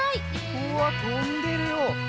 うわっとんでるよ。